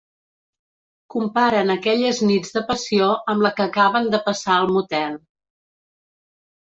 Comparen aquelles nits de passió amb la que acaben de passar al motel.